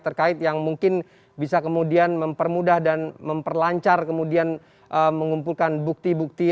terkait yang mungkin bisa kemudian mempermudah dan memperlancar kemudian mengumpulkan bukti bukti